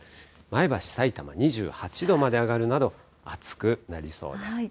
前橋、さいたま、２８度まで上がるなど、暑くなりそうです。